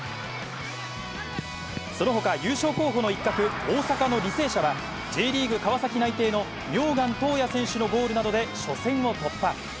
そのほか、優勝候補の一角、大阪の履正社は、Ｊリーグ・川崎内定の名願斗哉選手のゴールなどで初戦を突破。